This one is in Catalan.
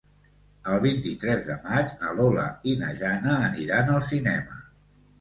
El vint-i-tres de maig na Lola i na Jana aniran al cinema.